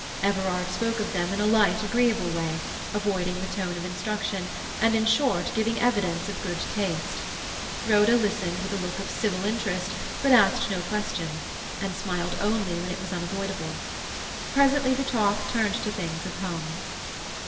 Everard spoke of them in a light, agreeable way, avoiding the tone of instruction, and, in short, giving evidence of good taste. Rhoda listened with a look of civil interest, but asked no question, and smiled only when it was unavoidable. Presently the talk turned to things of home.